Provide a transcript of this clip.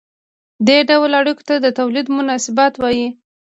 دې ډول اړیکو ته د تولید مناسبات وايي.